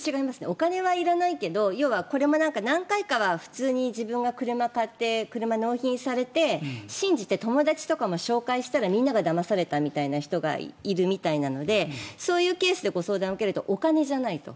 お金はいらないけれど要はこれも何回かは普通に自分が車を買って車を納車されて信じて、友達とかも紹介したらみんながだまされたみたいな人がいるみたいなのでそういうケースでご相談を受けるとお金じゃないと。